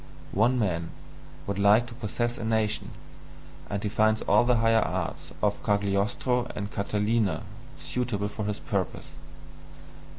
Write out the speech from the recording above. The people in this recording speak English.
One man would like to possess a nation, and he finds all the higher arts of Cagliostro and Catalina suitable for his purpose.